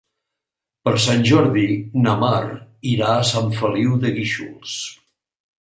Per Sant Jordi na Mar irà a Sant Feliu de Guíxols.